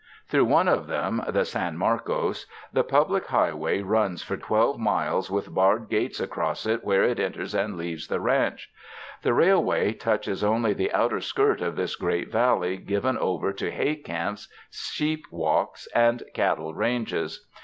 Through one of them, the San Marcos, the public highway runs for twelve miles with barred gates across it where it enters and leaves the ranch. The railway touches only the outer skirt of this great valley given over to hay camps, sheep walks and cattle ranges.